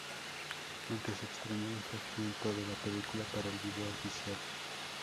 Aunque se extrajo un fragmento de la película para el video oficial.